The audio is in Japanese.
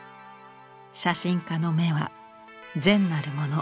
写真家の目は善なるもの